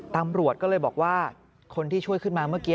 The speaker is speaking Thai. ตำรวจก็เลยบอกว่าคนที่ช่วยขึ้นมาเมื่อกี้